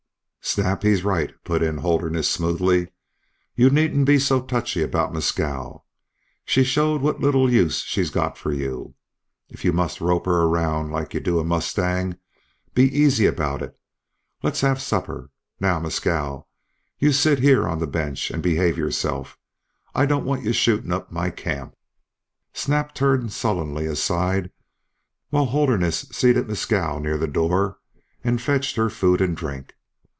"Snap, he's right," put in Holderness, smoothly. "You needn't be so touchy about Mescal. She's showed what little use she's got for you. If you must rope her around like you do a mustang, be easy about it. Let's have supper. Now, Mescal, you sit here on the bench and behave yourself. I don't want you shooting up my camp." Snap turned sullenly aside while Holderness seated Mescal near the door and fetched her food and drink.